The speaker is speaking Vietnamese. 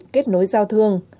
kết nối giao thương